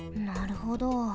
なるほど。